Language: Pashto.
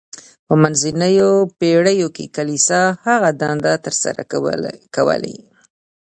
په منځنیو پیړیو کې کلیسا هغه دندې تر سره کولې.